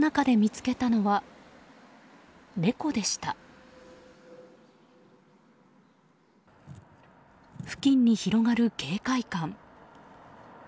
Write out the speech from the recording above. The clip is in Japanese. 付近に広がる警戒感。